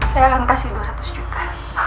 saya akan kasih dua ratus juta